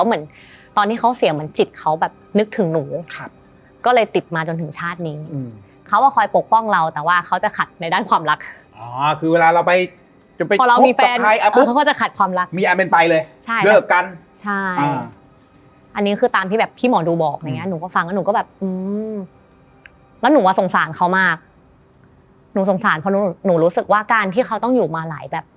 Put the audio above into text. อืมแล้วหนูว่าสงสารเขามากหนูสงสารเพราะหนูหนูรู้สึกว่าการที่เขาต้องอยู่มาหลายแบบ